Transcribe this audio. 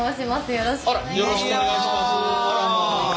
よろしくお願いします。